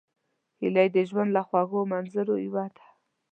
هیلۍ د ژوند له خوږو منظرو یوه ده